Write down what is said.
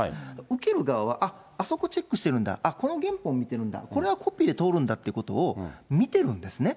受ける側は、あっ、あそこチェックしてるんだ、あっ、この原本見てるんだ、これはコピーで通るんだっていうことを見てるんですね。